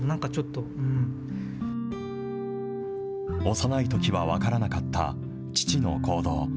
幼いときは分からなかった父の行動。